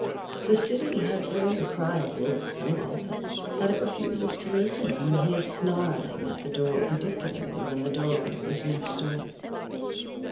The city has heard the cry of wolf so often that it refuses to listen when he is snarling at the door, particularly when the door is next door.